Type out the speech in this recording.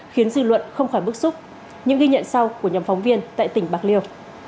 khiến dư luận không khỏi bức xúc những ghi nhận sau của nhóm phóng viên tại tỉnh bạc liêu